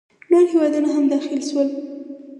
نور هیوادونه هم داخل شول.